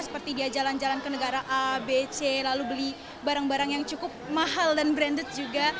seperti dia jalan jalan ke negara a b c lalu beli barang barang yang cukup mahal dan branded juga